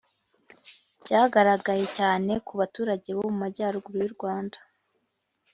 byagaragaye cyane ku baturage bo mu majyaruguru y'u rwanda